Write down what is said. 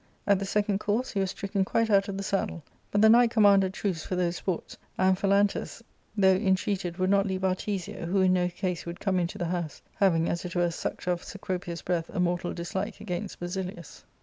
At the second course he was stricken quite out of the saddle. But the night com manded truce for those sports, and Phalantus, though in treated, would not leave Artesia, who in no case would come into the house, having, as it were, sucked of Cecropia's breath a mortal dislike against BasiUus.